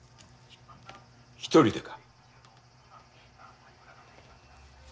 一人でか。